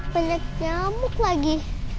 banyak nyamuk lagi